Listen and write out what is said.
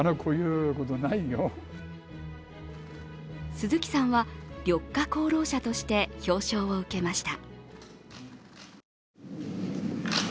鈴木さんは緑化功労者として表彰を受けました。